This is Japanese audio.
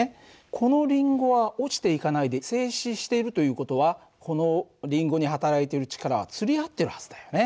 このりんごは落ちていかないで静止しているという事はこのりんごに働いている力はつり合ってるはずだよね。